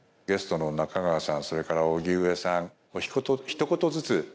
ゲストの中川さんそれから荻上さんひと言ずつ。